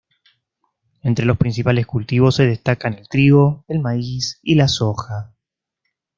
Entre los principales cultivos se destacan el trigo, el maíz y la soja.